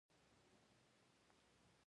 ناانډولي د نوښت او خطر اخیستلو انګېزه ډېروي.